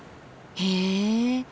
へえ。